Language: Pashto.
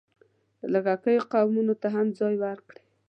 لږکیو قومونو ته هم ځای ورکړی.